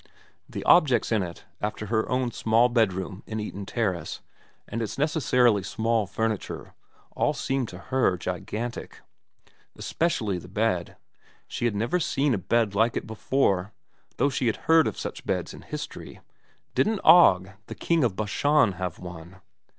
The objects in it, after her own small bedroom in Eaton Terrace and its necessarily small furniture, all seemed to her gigantic. Especially the bed. She had never seen a bed like it before, though she had heard of such beds in history. Didn't Og the King of Bashan have one